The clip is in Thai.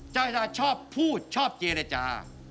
เจ้าอาวาสชอบพูดชอบเจรจา